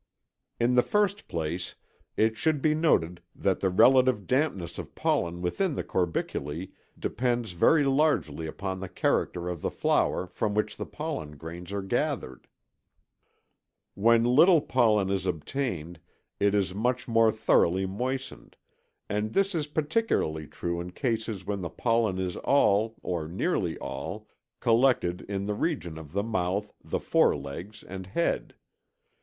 In the first place it should be noted that the relative dampness of pollen within the corbiculæ depends very largely upon the character of the flower from which the pollen grains are gathered. When little pollen is obtained it is much more thoroughly moistened, and this is particularly true in cases when the pollen is all, or nearly all, collected in the region of the mouth, the forelegs, and head.